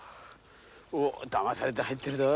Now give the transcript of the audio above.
おっだまされて入ってるど。